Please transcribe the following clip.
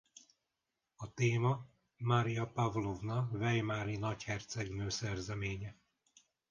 A téma Maria Pavlovna weimari nagyhercegnő szerzeménye.